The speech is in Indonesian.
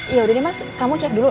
yaudah deh mas kamu cek dulu